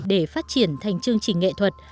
để phát triển thành chương trình nghệ thuật